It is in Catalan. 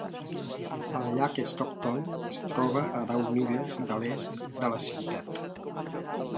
El llac Stockton es troba a deu milles de l'est de la ciutat.